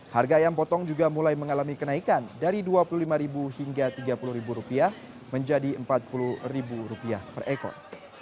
harga ayam potong juga mulai mengalami kenaikan dari rp dua puluh lima hingga rp tiga puluh menjadi rp empat puluh per ekor